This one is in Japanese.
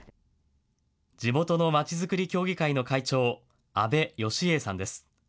地元のまちづくり協議会の会長、阿部義栄さんです。